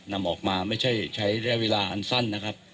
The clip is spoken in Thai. นำออกมาไม่ใช่ใช้ระยะเวลาอันสั้นนะครับ